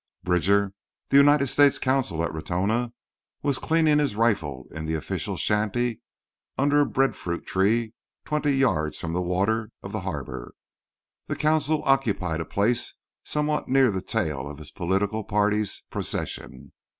Bridger, the United States consul at Ratona, was cleaning his rifle in the official shanty under a bread fruit tree twenty yards from the water of the harbour. The consul occupied a place somewhat near the tail of his political party's procession.